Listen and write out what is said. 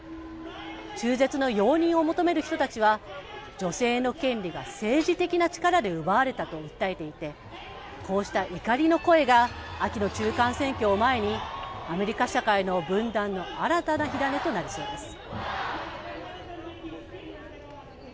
中絶の容認を求める人たちは、女性の権利が政治的な力で奪われたと訴えていて、こうした怒りの声が秋の中間選挙を前に、アメリカ社会の分断の新たな火種となりそうです。